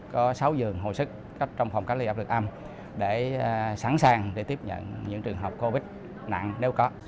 có sáu giường hồi sức trong phòng cách ly áp lực âm để sẵn sàng để tiếp nhận những trường hợp covid nặng nếu có